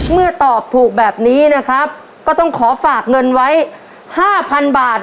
เมื่อตอบถูกแบบนี้นะครับก็ต้องขอฝากเงินไว้๕๐๐๐บาท